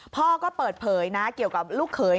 พ่อก็เปิดเผยนะเกี่ยวกับลูกเขย